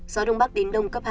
gió đông bắc đến đông cấp hai ba